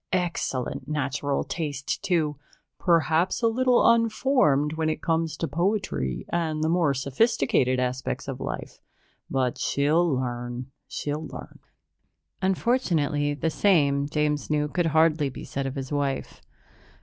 Excellent natural taste, too perhaps a little unformed when it comes to poetry and the more sophisticated aspects of life, but she'll learn, she'll learn." Unfortunately, the same, James knew, could hardly be said of his wife.